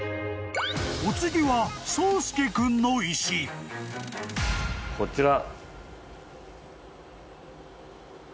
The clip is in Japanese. ［お次は颯介君の石］こちら。